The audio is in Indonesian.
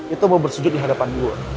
itu mau bersujud di hadapan gue